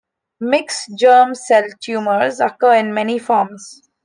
Mixed germ cell tumors occur in many forms.